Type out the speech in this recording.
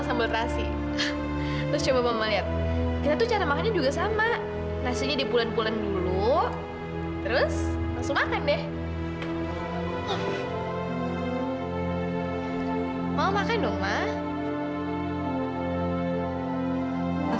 sampai jumpa di video selanjutnya